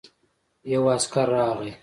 يو عسکر راغی.